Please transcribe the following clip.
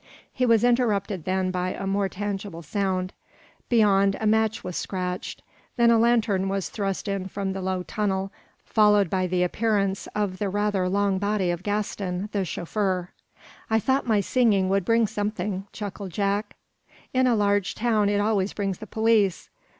He was interrupted then by a more tangible sound. Beyond, a match was scratched. Then a lantern was thrust in from the low tunnel, followed by the appearance of the rather long body of Gaston, the chauffeur. "I thought my singing would bring something," chuckled Jack. "In a large town it always brings the police.